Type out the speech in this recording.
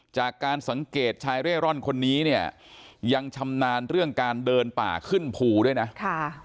จากการสังเกตชายเร่ร่อนคนนี้เนี่ยยังชำนาญเรื่องการเดินป่าขึ้นภูด้วยนะค่ะ